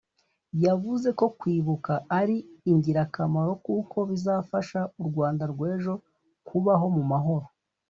yavuze ko kwibuka ari ingirakamaro kuko bizafasha u Rwanda rw’ejo kubaho mu mahoro